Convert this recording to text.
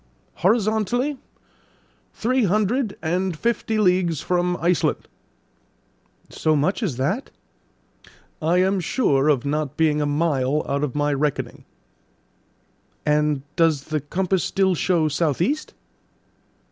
"Horizontally, three hundred and fifty leagues from Iceland." "So much as that?" "I am sure of not being a mile out of my reckoning." "And does the compass still show south east?"